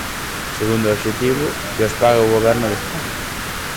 Segundo obxectivo, que os pague o Goberno de España.